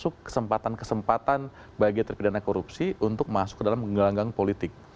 masuk kesempatan kesempatan bagi terpidana korupsi untuk masuk ke dalam gelanggang politik